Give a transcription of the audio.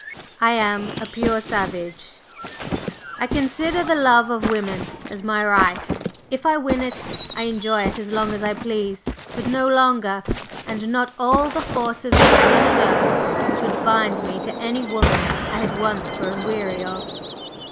I am a pure savage; I consider the love of woman as my right; if I win it, I enjoy it as long as I please, but no longer, and not all the forces of heaven and earth should bind me to any woman I had once grown weary of."